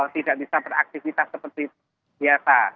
tidak bisa beraktivitas seperti biasa